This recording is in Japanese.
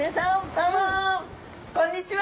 どうもこんにちは！